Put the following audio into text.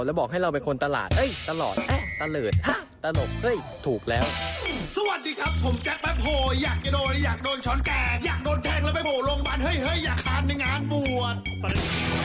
แล้วก็เราได้ทำอะไรที่มันหลุดจากตัวเราดีแกล้งหัวได้